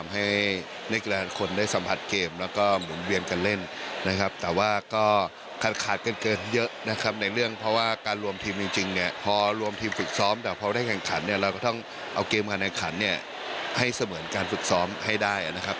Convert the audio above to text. ให้เสมือนการฝึกซ้อมให้ได้นะครับ